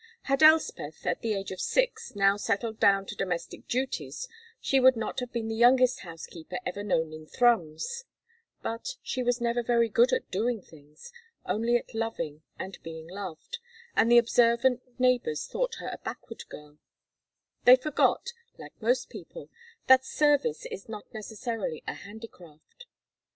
Had Elspeth at the age of six now settled down to domestic duties she would not have been the youngest housekeeper ever known in Thrums, but she was never very good at doing things, only at loving and being loved, and the observant neighbors thought her a backward girl; they forgot, like most people, that service is not necessarily a handicraft.